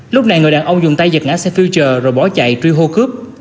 lúc này người đàn ông dùng tay giật ngã xe future rồi bỏ chạy truy hô cướp